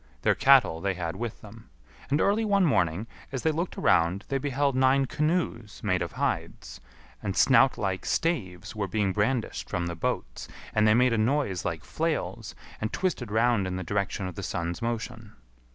Their cattle they had with them. And early one morning, as they looked around, they beheld nine canoes made of hides, and snout like staves were being brandished from the boats, and they made a noise like flails, and twisted round in the direction of the sun's motion.